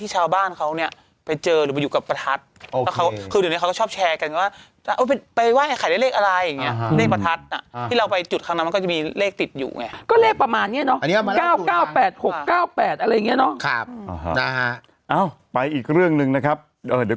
หกเก้าแปดเก้าแปดเก้าเก้าอะไรอย่างงี้เนอะวนเลขนี้เยอะมากเลย